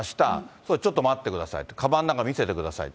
それ、ちょっと待ってください、かばんの中見せてください。